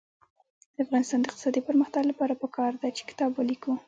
د افغانستان د اقتصادي پرمختګ لپاره پکار ده چې کتاب ولیکو.